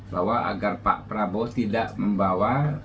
bahwa agar pak prabowo tidak membawa